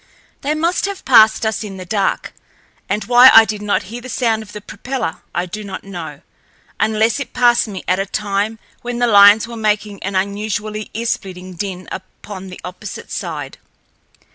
They must have passed us in the dark, and why I did not hear the sound of the propeller I do not know, unless it passed me at a time when the lions were making an unusually earsplitting din upon the opposite side.